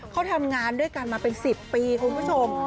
เขาทำงานด้วยกันมาเป็น๑๐ปีคุณผู้ชม